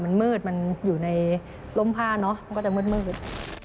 มันมืดมันอยู่ในร่มผ้าเนอะมันก็จะมืด